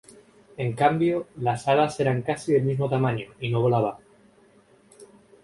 En cambio, las alas eran casi del mismo tamaño, y no volaba.